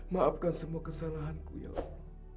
maafkan semua kesalahanku ya allah